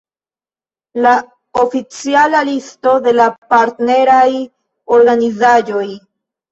La oficiala listo de partneraj organizaĵoj.